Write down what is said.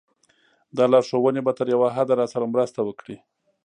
دا لارښوونې به تر یوه حده راسره مرسته وکړي.